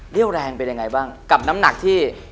แรงเป็นยังไงบ้างกับน้ำหนักที่